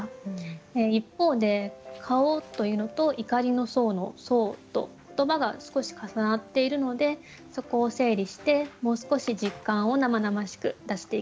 一方で「顔」というのと「怒りの相」の「相」と言葉が少し重なっているのでそこを整理してもう少し実感を生々しく出していきたいと思います。